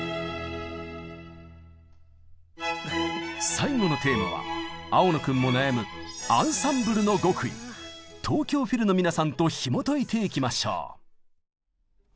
最後のテーマは青野君も悩む東京フィルの皆さんとひもといていきましょう！